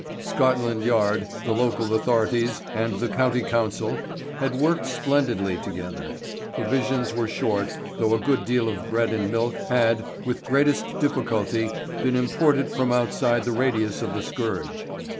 Scotland Yard, the local authorities, and the County Council had worked splendidly together. Provisions were short, though a good deal of bread and milk had with greatest difficulty been imported from outside the radius of the scourge.